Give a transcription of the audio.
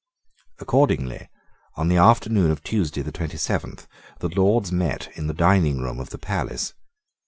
Accordingly, on the afternoon of Tuesday the twenty seventh, the Lords met in the dining room of the palace.